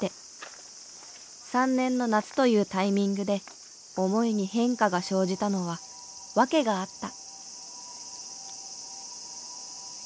３年の夏というタイミングで思いに変化が生じたのは訳があった。